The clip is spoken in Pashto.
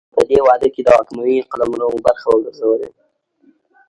په دې واده کې د واکمنۍ قلمرو برخه وګرځولې.